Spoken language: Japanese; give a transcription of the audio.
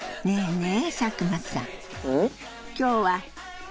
ねえ。